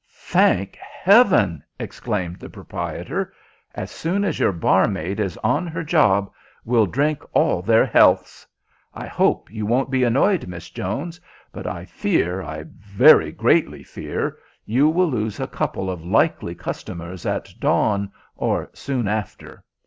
"Thank heaven!" exclaimed the proprietor. "As soon as your barmaid is on her job we'll drink all their healths. I hope you won't be annoyed, Miss Jones, but I fear, I very greatly fear, you will lose a couple of likely customers at dawn or soon after.